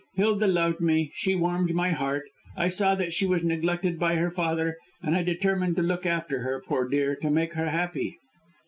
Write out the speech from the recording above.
Hilda loved me, she warmed my heart. I saw that she was neglected by her father, and I determined to look after her, poor dear, to make her happy."